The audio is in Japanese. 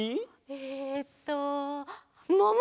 えっともも！